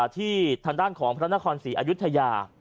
ที่ทางด้านของพระนครศรีอายุทยา